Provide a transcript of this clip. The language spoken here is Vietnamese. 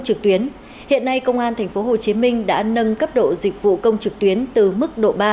trực tuyến hiện nay công an thành phố hồ chí minh đã nâng cấp độ dịch vụ công trực tuyến từ mức độ ba